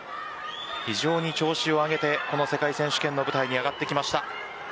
非常に調子を上げてこの世界選手権の舞台に上がってきました。